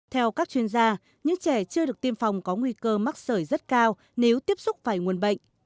theo các chuyên gia những trẻ chưa được tiêm phòng có nguy cơ mắc sởi rất cao nếu tiếp xúc phải nguồn bệnh